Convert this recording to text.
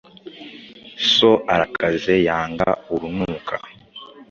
so arakaze, yanga urunuka,